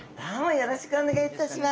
よろしくお願いします。